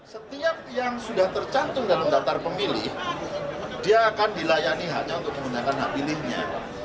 setiap yang sudah tercantum dalam daftar pemilih dia akan dilayani hanya untuk menggunakan hak pilihnya